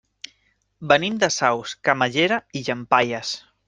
Venim de Saus, Camallera i Llampaies.